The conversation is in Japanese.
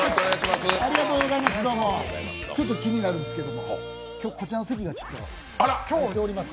ちょっと気になるんですけども、今日こちらの席が空いております。